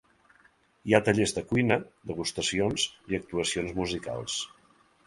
Hi ha tallers de cuina, degustacions i actuacions musicals.